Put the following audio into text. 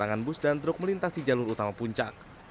larangan bus dan truk melintasi jalur utama puncak